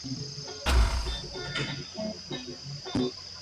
Tras la publicación de su libro "Ceuta y Melilla, Olivenza y Gibraltar.